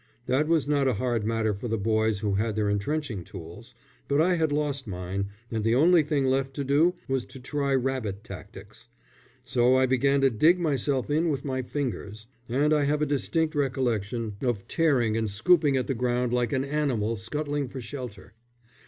That was not a hard matter for the boys who had their entrenching tools, but I had lost mine, and the only thing left to do was to try rabbit tactics. So I began to dig myself in with my fingers, and I have a distinct recollection of tearing and scooping at the ground like an animal scuttling for shelter.